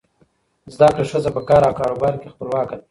زده کړه ښځه په کار او کاروبار کې خپلواکه ده.